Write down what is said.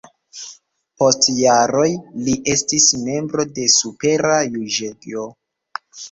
Post jaroj li estis membro de supera juĝejo.